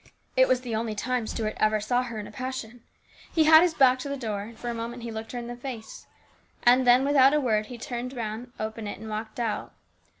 It was the only time Stuart ever saw her in a passion. He had his back to the door, and for a moment he looked her in the face, and then without a word he turned round, opened it, and walked out.